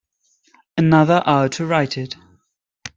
Another hour to write it.